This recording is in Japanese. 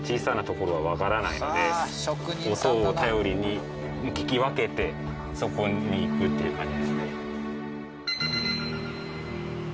音を頼りに聞き分けてそこにいくっていう感じですね。